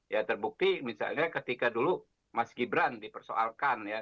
ya terbukti misalnya ketika dulu mas gibran dipersoalkan ya